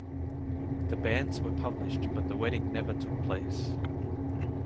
The banns were published but the wedding never took place.